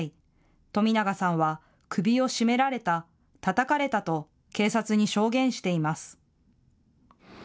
冨永さんは首を絞められた、たたかれたと警察に証言しています。